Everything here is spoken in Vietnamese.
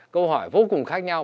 câu hỏi vô cùng khác nhau